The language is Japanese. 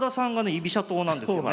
居飛車党なんですよね。